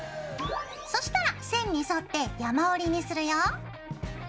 そしたら線に沿って山折りにするよ。